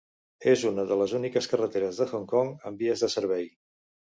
És una de les úniques carreteres de Hong Kong amb vies de servei.